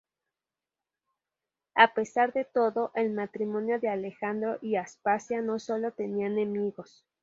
A pesar de todo, el matrimonio de Alejandro y Aspasia no solo tenía enemigos.